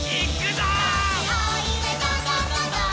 「こっちおいでドンドンドンドン」